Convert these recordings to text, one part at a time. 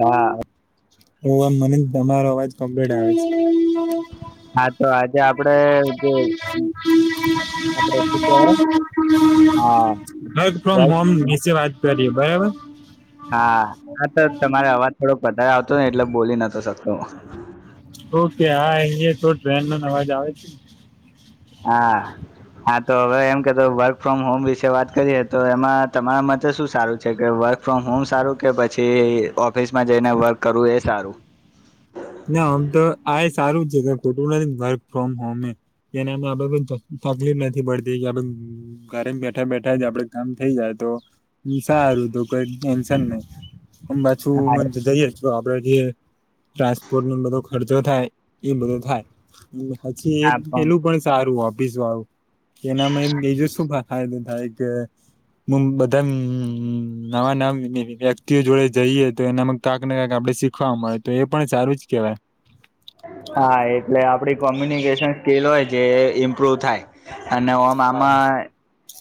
હા. તો આ મને તમારો અવાજ કમ્પ્લીટ આવે છે. હા. [unintelligible] તો આજે આપડે જે આપડે શું કહેવાય હા વર્ક ફ્રોમ બસ હોમ ની વાત કરીએ બરાબર હા આ તો તમારે અવાજ થોડો વધારે આવતો ને એટલે બોલી નતો શકતો હું તો કે આ અહીં તો ટ્રેન ન અવાજ આવે છે. હા હા તો હવે એમ કેતો વર્ક ફ્રોમ હોમ વિશે વાત કરીએ તો એમાં તમારા મતે શું સારું છે. કે વર્ક ફ્રોમ હોમ સારું કે પછી ઓફિસમાં જઈને વર્ક કરવું એ સારું ના આમ તો આ એ સારું છે. ખોટું નથી વર્ક ફ્રોમ હોમ એ એનામાં આપે તકલીફ નથી પડતી કે ઘરે બેઠા બેઠા જ આપડે કામ થઇ જાય તો હ સારું તો કઈ ટેન્શન નહી પાછું હા મને જઈએ આપડે જે ટ્રાન્સપોર્ટ નો બધો ખર્ચો થાય એ બધો થાય પછી એક પેલું પણ સારું ઓફિસ વાળું કે એનામાં ગઈજો શું ભા હા દ થઈ કે હું બધા નવા નવા વ્યક્તિઓ જોડે જઈએ તો એનામાં કાંક ને કાક આપડે શીખવા મળે તો એ પણ સારું જ કહેવાય. હા એટલે આપડી કોમ્યુનિકેશન સ્કીિલ હોય જે ઇમ્પ્રુવ થાય અને ઓમ આમાં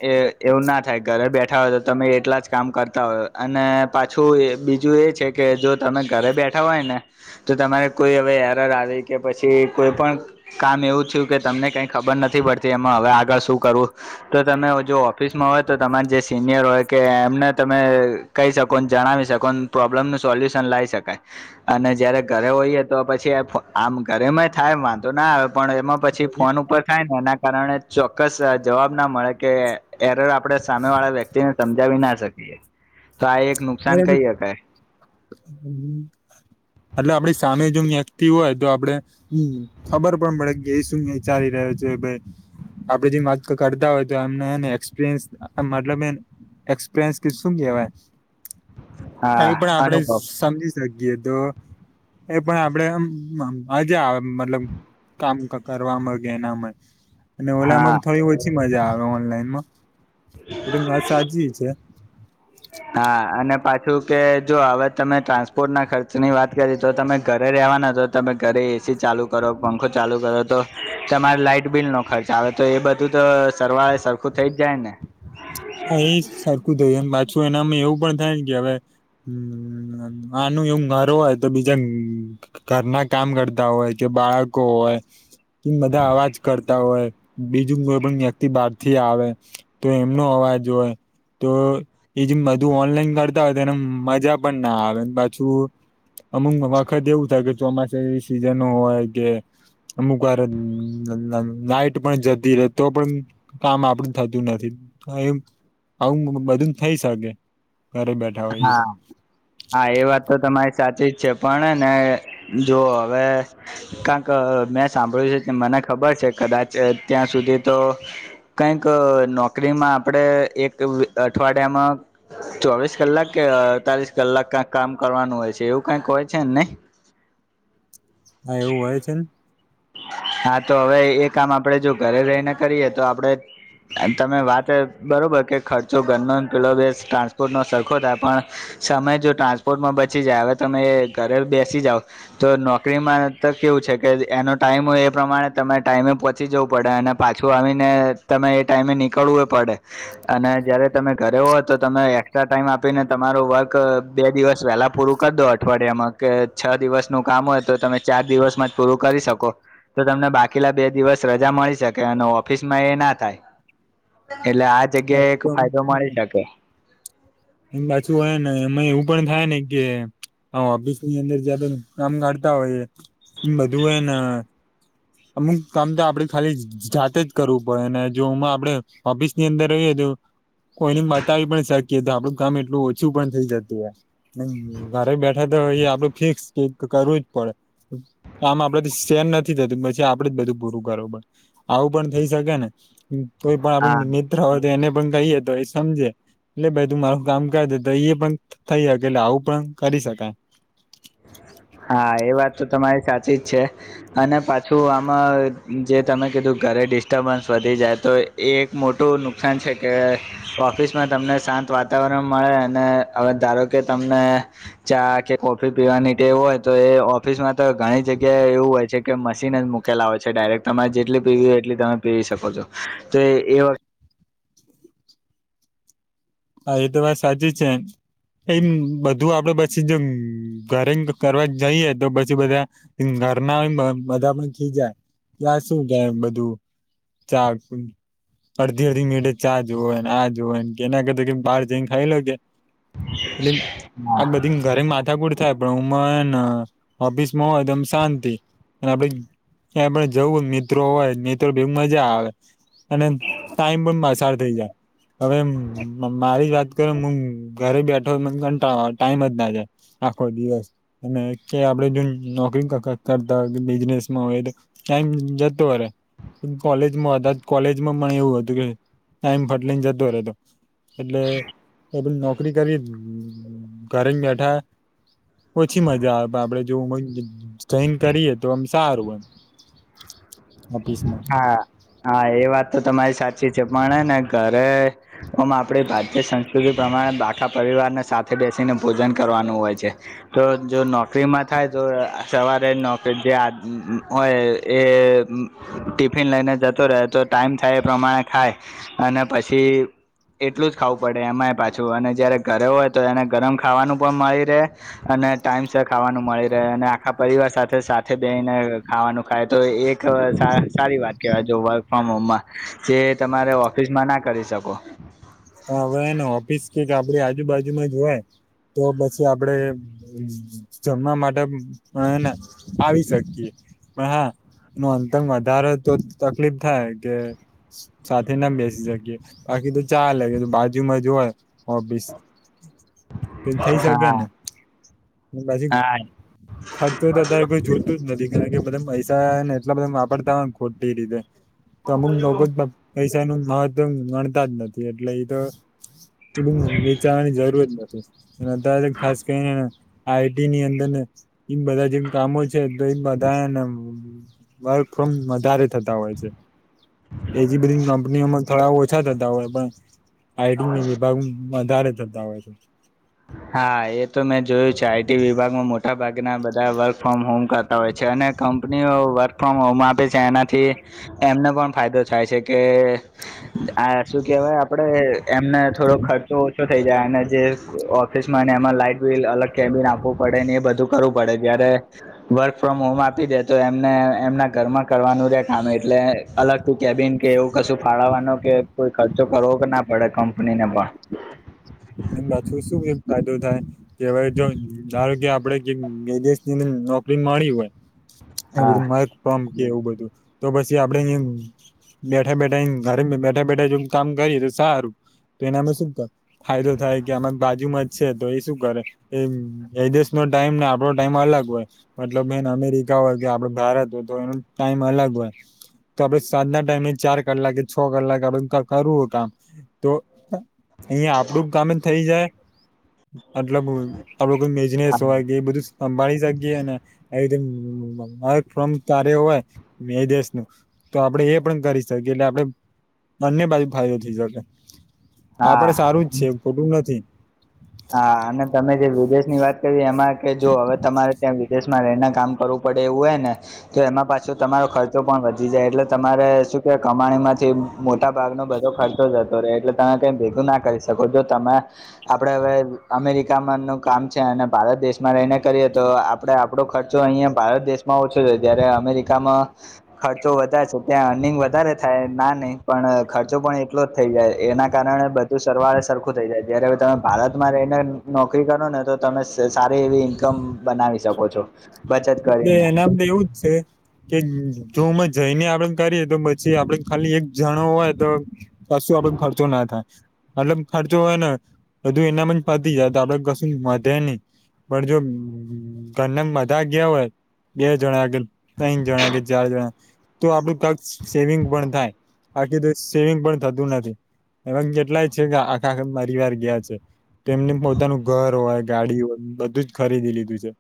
એ એવું ના થાય ઘરે બેઠા હોય તો તમે એટલા જ કામ કરતા હોય અને પાછું બીજું એ છે. કે જો તમે ઘરે બેઠા હોય ને તો તમારે કોઈ હવે આવી કે પછી કોઈ પણ, કામ એવું થયું કે તમને કઈ ખબર નથી પડતી એમાં હવે આગળ શું કરવું તો તમે જો ઓફિસમાં હોય તો તમારા જે સિનિયર હોય કે એમને તમે કહી શકો ને જણાવી શકો પ્રોબ્લેમનું સોલ્યુશન લાવી શકાય અને જયારે ઘરે હોઈએ તો પછી આમ ઘરેમાંય થાય વાંધો ના આવે પણ એમાં પછી ફોન ઉપર થાય ને એ કારણે ચોક્કસ જવાબ ના મળે કે એરર આપે સામે વાળા વ્યક્તિને જાવ ના શકીએ તો આ એક નુકસાન કહી શકાય એટલે આપડી સામે જો વ્યક્તી હોય તો આપડે હમ ખબર પણ પડે કે એ શું વિચારી રહ્યો છે. ભાઈ આપડે જે વાત કરતા હોય તો એમને એક્સપિરયન્સ મતલબ એક્સપિરયન્સ કે શું કેહેવાય હા એ પણ આપણેે અનુભવ સમજી જગએ તો એ પણ આપડે આજ આવે મતલબ કામ કરવાવામાંગ એનામાં અને હા ઓલામાં થોડી ઓછી મજા આવે ઓનલાઈનમાં એટ આ સાચ છે હા અને પાછું કે જો હવે તમે ટ્રાન્સપોર્ટ ના ખર્ચ ની વાત કરી તો તમે ઘરે રવાના તો તમે ઘરે એસી ચાલુ કરો પંખો ચાલુ કરો તો તમારે લાઈટ બિલ ન ખાય ચાલે તો એ બધું તો સરવાળે સરખું થઇ જ જાય ને હા એ સરખું થયમ પાછું એનામાં એવું પણ થાય કે હવે હમ આનું એવું મારો હોય તો બીજા ઘરના કામ કરતા હોય કે બાળકો હોય કે બધા અવાજ કરતા હોય બીજું કોઈ પણ વ્યક્તિ બહારથી આવે તો એમનો અવાજ હોય તો એ જેમ બધું ઓનલાઈન કરતા હોય તો એને મજા પણ ના આવે પાછું અમુક વખત એવું થાય કે ચોમાસા સિઝન હોય કે અમુક વાર નાઈટ પણ જતી રહે તો પણ કામ આપડ થતું નથી એમ આવું બધું થઇ શકે ઘરે બેઠ હા હા એ વાત તો તમારી સાચી જ છે પણ ને જો હવે કંક મેં સાંભળ્યું છે મને ખબર છે કદાચ ત્યાં સુધી તો કઈક નોકરીમાં આપડે એક અઠવાડિયામાં ચોવીસ કલાક કે અડતાલીસ કલાક કક કામ કરવાનું હોય છે એવું કઈક હોય છે ને નને હા એવું હોય છે ને હા તો હવે એ કામ આપડે જો ઘરે રહીને કરીએ તો આપડે અને તમે વાત બરાબર કે ખર્ચો ઘન કિલોબસ ટ્રાન્સપોર્ટનો સરખો થાય પણ સમય જો ટ્રાન્સપોર્ટમાં બચી જાય હવે તમે ઘરે બેસી જાઓ તો નોકરી માં તો કેવું છે કે એનો ટાઈમ હોય એ પ્રમાણે તમે ટાઈમે પહોંચી જવું પડે અને પાછું આવીને તમે એ ટાઈમે નીકળવું એ પડે અને જયારે તમે ઘરે હો તો તમે એક્સ્ટ્રા ટાઈમ આપીને તમારોું વર્ક બે દિવસ વહેલા પૂરું કરી દો અઠવાડિયામાં કે છ દિવસનું કામ હોય તો તમે ચાર દિવસમાં જ પૂરું કરી શકો તો તમને બાકીલા બે દિવસ રજા મળી શકે અને ઓફિસ માં એ ના થાય એટલે આ જગ્યાએ એક ફાયદો મળી શકે એમ પાછું હોય ને અ એવું પણ થાય ને કે હા ઓફિસ ની અંદર જ કામ કાઢતા હોય બધું એને અમુક કામ તો આપડે ખાલી જાતે જ કરવું પડે ને જો હમાં આપડે ઓફિસ ની અંદર રહીએ તો કોઈને બતાવી પણ શકીએ તો આપડું કામ એટલું ઓછું પણ થઈ જતું હો હમ્મ ઘરે બેઠા તો એ આપડું ફિક્સ કરવું જ પડે આમ આપડે સેન નથી થતું પછી આપડે જ બધું પૂરું કર વુ પડે આવું પણ થઈ શકે ને કોઈ પણ આપ હા મિત્ર હોયે તેને પણ કહીએ તો એ સમજે એટલે ભાઈ તું મારું કામ કર દે તો એ પણ થઈ શકે એટલે આવું પણ કરી શકાય હા એ વાત તો તમારી સાચી જ છે અને પાછું આમાં જે તમે કીધું ઘરે ડિસ્ટર્બન્સ વધી જાય તો એ એક મોટું નુકસાન છે કે ઓફિસમાં તમને શાંત વાતાવરણ મળે અને હવે ધારો કે તમને ચા કે કો ઓફી પીવા નીે એવું હોય તો એ ઓફિસમાં તો ઘણી જગ્યાએ એવું હોય છે કે મશીન જ મૂક કેલા આવે છે ડાયરેક્ટ તમારે જેટલી પીવી હોય એટલી તમે પીવી શકો છો તો એ વખતે હા એ તો વાત સાચી છેે એમ બધું આપડે પછી ઘરે કરવા જઈએ તો પછી બધા ઘરના બધા પણ ખી જાય ત્યા શું કે બધું ચા અડધી અડધી મિનટે ચા જોને આ જો ને એના કરતા બહાર જઈને ખાઈ લો કે એટલે આ બધી ઘરે માથા કુર થાય પણ હુંને ઓફિસમાં હોય તોમ શાંતિ અને આપે એ પણ જવું મિત્રો હોય મિત્રો બવુ મજા આવે અને ટાઈમ પણ પસાર થઈ જાય હવે મારી જ વાત કર હું ઘરે બેઠો મ ટાઈમ જ ના જાય આખો દિવસ અને કે આપડે જો નોકરી કરતા બિઝનેસમાં હોય ટાઈમ જતો રે કોલેજમાં હતા જ કોલેજમાં મને એવું હતું કે ટાઈમ ફાટ લઈને જતો રહેતો એટલે એપણ નોકરી કરી ઘરે બેઠા ઓછી મજા આવે આપડે જો જોઈન કરીએ તો આમ સારું એમ ઓફીસમાં હા હા એ વાત તો તમારી સાચી છે, પણ ને ઘરે ઓમ આપણી ભારતીય સંસ્કૃતિ પ્રમાણે બાખા પરિવારને સાથે બેસીને ભોજન કરવાનું હોય છે. તો જો નોકરીમાં થાય તો સવારે નોકરી જે હોય એ ટિફિન લઈને જતો રહે તો ટાઈમ થાય એ પ્રમાણે ખાય અને પછી એટલું જ ખાવું પડે એમાંય પાછું અને જયારે ઘરે હોય તો એને ગરમ ખાવાનું પણ મળી રહે અને ટાઈમ સર ખાવાનું મળી રહે અને આખા પરિવાર સાથે સાથે બેઈને ખાવાનું ખાય તો એક સારી વાત કહેવાય જો વર્ક ફ્રોમ હોમમાં જે તમારે ઓફિસમાં ના કરી શકો હા હવે એને ઓફિસ કેક આપડી આજુબાજુમાં જોવાય તો પછી આપડે જમવા માટે આવી શકીતી. પણ હા એ ન અંતંગ વધારેો તો તકલીફ થાય કે સાથે નામ બેસી શકીએ બાકી તો ચા અલગ બાજુમાં જય ઓફિસ તો થઈ હા શકેને પછી હા ખર્ચો તો અત્યારે કોઈ જોતું જ નથી. કાર કે બધા પૈસા ને એટલા બધા વાપરતા હોય ખોટી રીતે તો અમુક લોકો જ પૈસા નું મહત્વ ગણતા જ નથી એટલે એ તો એ બું વેચાવાની જરૂર જ નથી અત ખાસ કરીને આઈટી ની અંદર ને એ બધા જેમ કામો છે તો એ બધાને વર્ક ફ્રોમ મદારે થતા હોય છે, એજી બંગ કંપનીઓમાં થોડા ઓછા થતા હોય પણ આઈટંગની વિભાગ વધારે થતા હોય છે. હા એ તો મેં જોયું છે આઈટી વિભાગમાં મોટા ભાગના બધા વર્ક ફ્રોમ હોમ કરતા હોય છે અને કંપનીઓ વર્ક ફ્રોમ હોમ આપે છે, એનાથી એમને પણ ફાયદો થાય છે કે આ શું કેહેવાય આપડે એમને થોડો ખર્ચો ઓછો થઇ જાય અને જે ઓફિસ માં ને એમાં લાઈટ બિલ અલગ કેબિન આપવું પડે ને એ બધું કરવું પડે જયારે વર્ક ફ્રોમ હોમ આપી દે તો એમને એમના ઘરમાં કરવાનું રેખાનું એટલે અલગું કેબિન કે એવું કશું ફાળવવાનો કે કોઈ ખર્ચો કરવો કે ના પડે કંપનીને પણ એમ પાછું શું ફાયદો થાય. કેવાય જો ધારો કે આપડે વિદેશ ની નોકરી મળી હોય. હા માકમપ કે એવું બધું તો પછી આપડે બેઠા બેઠા ઘરે બેઠા બેઠા જો કામ કરીએ તો સારું તો એનામે શું કર ફાયદો થાય કે આમા બાજુમાં જ છે તો એ શું કરે એ એ દિવસ નો ટાઈમ ને આપણો ટાઈમ અલગ હોય. મતલબ બેન અમેરિકા હોય કે આપડ ભારત હોય તો એનો ટાઈમ અલગ હોય. તો આપડે સાંજના ટાઈમે ચાર કલાકે છ કલાક આપડે કરવું કામ તો અહીયા આપ આપડું ગામે થઈ જાય મતલબ આપડું કોઈ બિઝનેસ હા હોય કે બધું સંભાળી જગ્યાએને એક ફ્રોમ તારે હોય એ દેશ નુ તો આપડે એ પણ કરી શકીએ એટલે આપણે બંને બાજુ ફાયદો થઈ શકે આ પણ હા સારું જ છે ખોટું નથી. હા અને તમે જે વિદેશની વાત કરી એમાં કે જો હવે તમારે ત્યાં વી દેશમાં રહિને કામ કરવું પડે એવું હોય ને તો એમાં પાછો તમારો ખર્ચો પણ વધી જાય એટલે તમારે શું કે કમાણી માંથી મોટા ભાગ નો બધો ખર્ચો જતો રહે એટલે તમે કઈ ભેગું ના કરી શકો જો તમે આ પડે હવે અમેરિકા માંનું કામ છે અને ભારત દેશમાં રહીને કરીએ તો આ પડે આપડો ખર્ચો અહિયાં ભારત દેશમાં ઓછો છે ત્યારે અમેરિકામાં ખર્ચો વધારે છે ત્યાં અર્નિંગ વધારે થાય ના નહીં પણ ખર્ચો પણ એટલો થઈ જાય એના કારણે બધું સરવાળે સરખું થઈ જાય જ્યારે હવે તમે ભારતમાં રહીને નોકરી કરો ને તો તમે સારી એવી ઇન્કમ બનાવી શકો છો. બચત એ કરીને નામ તો એવું જ છે. કે જો ઉમ જઈને આપડે કરીએ તો પછી આપડે ખાલી એક જણો હોય તો કશું આપડે ખર્ચો ના થાય. મતલબ ખર્ચો હોય ને બધું એનામાં જ પતી જાય તો આપડે કસું વધે ની પણ જો ઘર ના બ ધા ગ્યા હોય બે જણા કે તઈણ જણા કે ચાર જણા તો આપડું કાક સેવિંગ પણ થાય બાકી તો સેવિંગ પણ થતું નથી. એવા કેટલાય છે, કે આખા આખા પરિવાર ગયા છે. તેમને પોતાનું ઘર હોય ગાડી હોય બધું જ ખરીદી લીધું છે.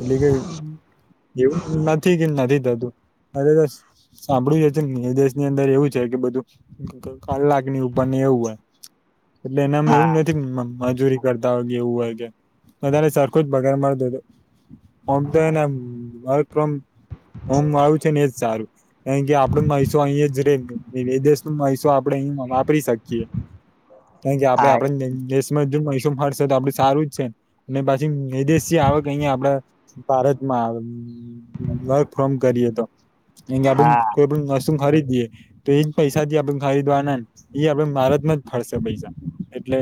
એટલે કે એવું નથી કે નથી થતું [unintelligible] સાંભળ્યું જ હશે વીદેશ ની અંદર એવું છે, કે બધું ક કલાક ની ઉપર એવું હોય એટલે એનામાં હા એવું ન થી મજૂરી કરતા હોય કે એવું હોય કે બધાને સરખો જ પગાર મળતો હોય તો ઓમ તો એને વર્ક ફ્રોમ હોમ વાળું છે, ને એજ સારું કેમ કે આપડો પૈસો અહીં જ રે વીદેશ નો પૈસો આપડે અહી વાપરી શકીએ કારણ કે આપડે હા આપડા દેશ [unintelligible] પૈસો ફરશે તો આપડે સારું જ છે, ને પછી વીદેશી આવક અહીંયા આપડે ભારતમાં આવે વર્ક ફ્રોમ કરીએ તો કારણ કે હા આ કોઈ પણ વસ્તુ ખરીદીએ તો એજ પૈસા થી આપડે ખરીદવાના એ આપણે ભારતમાં જ ફરશે પૈસા એટલે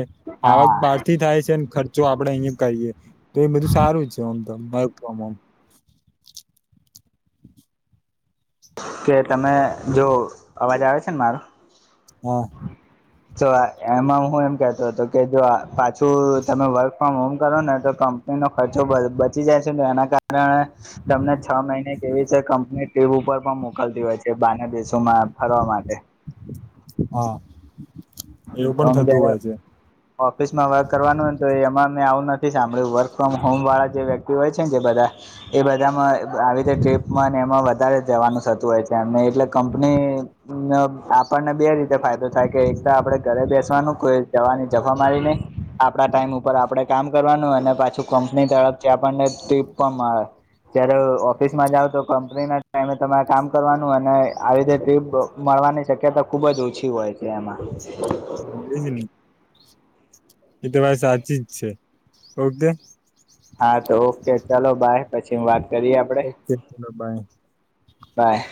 આવક બહારથી થાય છે, ખર્ચો આપડે અહીં કરીએ તો એ બધું સારું છે. જો ઓમ તમ વર્ક ફ્રોમ હોમ કે તમે જો અવાજ આવે છે, ને મારો? હા. તો એમાં હું એમ કેતો હતો કે જો પાછું તમે વર્ક ફ્રોમ હોમ કરો ને તો કમ પની ખર્ચો બ બચી જાય છે, ને એના કારણે તમને છ મહિને કે એવી રીતે કંપની ટ્રીપ ઉપર પણ મોકલતી હોય છે, બારના દેશોમાં ફરવા માટે હા. એવું પણ ઓમ થતું જ્યારે હોય છે ઓફિસમાં વર્ક કરવાનું હોયને તો એમાં મેં આવું નથી સાંભળ્યું વર્ક ફ્રોમ હોમ વાળા જે વ્યક્તિ હોય છે, ને જે બધા એ બધામાં આવી રીતે ટ્રીપમાં ને એમાં વધારે જવાનું થતું હોય છે, એમને એટલે કંપની ન આપણને બે રીતે ફાયદો થાય કે એક તો આપડે ઘરે બેસવાનું કોઈ જવાની જફામારી નહી આપડા ટાઈમ ઉપર આપડે કામ કરવાનું અને પાછું કપંનીની તરફથી આપણને ટ્રીપ પણ મળે જ્યારે ઓફિસમાં જાવ તો કંપનીના ટાઈમે તમારે કામ કરવાનું અને આવી રીતે ટ્રીપ મળવાની શક્યતા ખુબ જ ઓછી હોય છે, એમાં હા એ જ ને એ તો ભાઈ સાચી જ છે, ઓકે હા તો ઓકે ચાલો બાય પછી વાત કરીએ આપડે ઓકે ચલો બાય બાય.